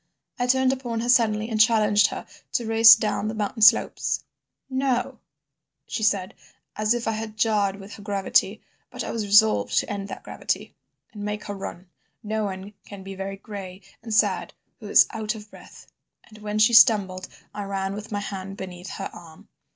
I turned upon her suddenly and challenged her to race down the mountain slopes. 'No,' she said, as if I had jarred with her gravity, but I was resolved to end that gravity, and make her run—no one can be very gray and sad who is out of breath—and when she stumbled I ran with my hand beneath her arm.